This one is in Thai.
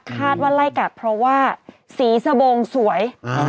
ว่าไล่กัดเพราะว่าสีสบงสวย